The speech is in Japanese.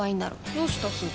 どうしたすず？